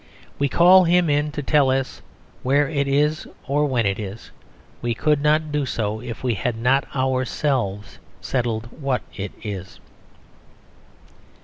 We call him in to tell us where it is or when it is. We could not do so, if we had not ourselves settled what it is.